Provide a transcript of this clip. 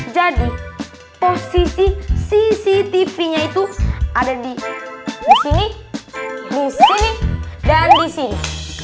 jadi posisi cctv nya itu ada di sini di sini dan di sini